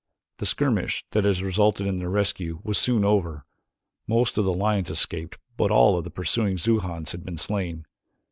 The skirmish that had resulted in their rescue was soon over. Most of the lions escaped but all of the pursuing Xujans had been slain.